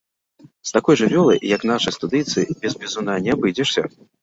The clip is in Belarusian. З такой жывёлай, як нашы студыйцы, без бізуна не абыдзешся.